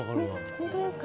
本当ですか？